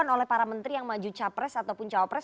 menurut para menteri yang maju capres ataupun caopres